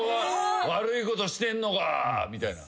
「悪いことしてんのか」みたいな。